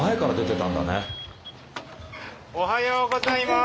おはようございます。